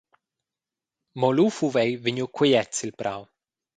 Mo lu fuva ei vegniu quiet sil prau.